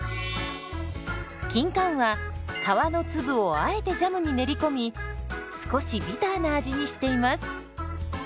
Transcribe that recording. キンカンは皮の粒をあえてジャムに練り込み少しビターな味にしています。